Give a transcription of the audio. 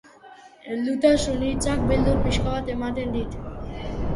Heldutasun hitzak beldur pixka bat ematen dit.